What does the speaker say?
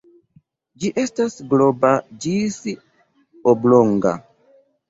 Ĝi estas globa ĝis oblonga.